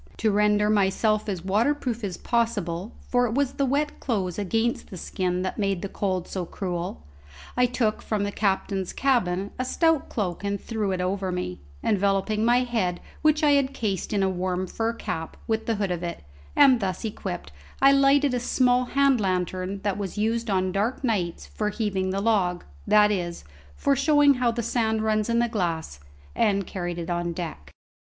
To render myself as waterproof as possible for it was the wet clothes against the skin that made the cold so cruel I took from the captain's cabin a stout cloak and threw it over me, enveloping my head, which I had cased in a warm fur cap, with the hood of it; and thus equipped I lighted a small hand lantern that was used on dark nights for heaving the log, that is, for showing how the sand runs in the glass, and carried it on deck.